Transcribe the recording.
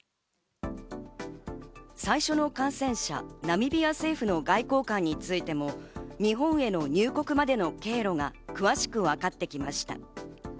最初の感染者、ナミビア政府の外交官についても日本への入国までの経路が詳しく分かってきました。